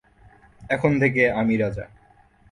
এখন থেকে আমি রাজা!